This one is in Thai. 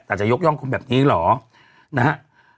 แต่จะยกย่องคุณแบบนี้เหรอนะฮะ